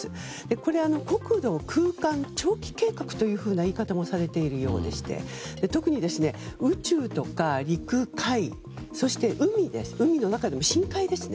これ、国土空間長期計画という言い方もされているようでして特に宇宙とか陸海そして海の中でも深海ですね。